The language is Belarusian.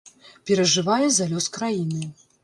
Перажывае за лёс краіны.